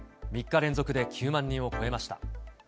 ３日連続で９万人を超えました。